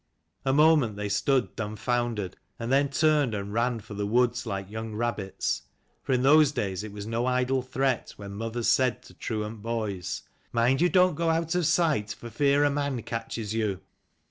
A moment they stood dum foundered, and then turned and ran for the woods like young rabbits. For in those days it was no idle threat when mothers said to truant boys, "Mind you don't go out of sight, for fear a man catches you."